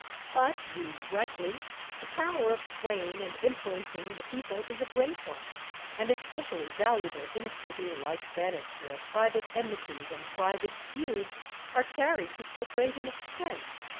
But, used rightly, the power of swaying and influencing the people is a great one, and especially valuable in a city like Venice, where private enmities and private feuds are carried to so great an extent.